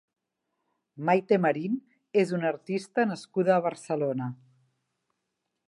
Maite Marín és una artista nascuda a Barcelona.